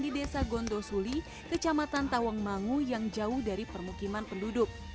di desa gondosuli kecamatan tawangmangu yang jauh dari permukiman penduduk